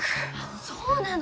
そうなの。